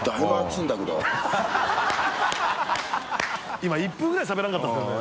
今１分ぐらいしゃべらなかったですよね。